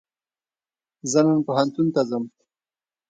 زه نن پوهنتون ته ځم